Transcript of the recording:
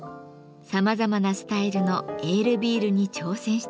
さまざまなスタイルのエールビールに挑戦してきました。